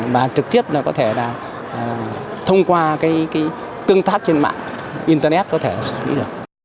và trực tiếp có thể thông qua tương tác trên mạng internet có thể xử lý được